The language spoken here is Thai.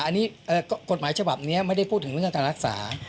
อันนี้กฎหมายฉบับนี้ไม่ได้พูดถึงเรื่องการรักษา